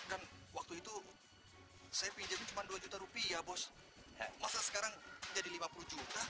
dan waktu itu saya pinjamnya cuma dua juta rupiah bos masa sekarang jadi lima puluh juta